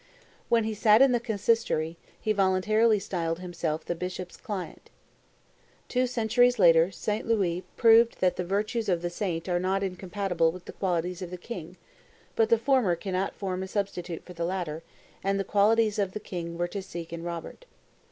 When he sat in the consistory, he voluntarily styled himself the bishops' client." Two centuries later, St. Louis proved that the virtues of the saint are not incompatible with the qualities of the king; but the former cannot form a substitute for the latter, and the qualities of king were to seek in Robert.